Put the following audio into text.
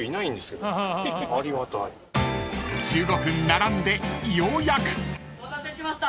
［１５分並んでようやく］お待たせしました